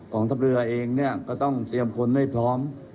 ทัพเรือเองเนี่ยก็ต้องเตรียมคนให้พร้อม